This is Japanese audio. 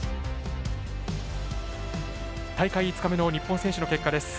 大会５日目の日本選手の結果です。